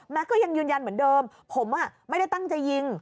ก็ยังยืนยันเหมือนเดิมผมไม่ได้ตั้งใจยิง